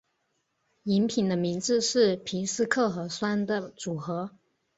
饮品的名字是皮斯可和酸的组合。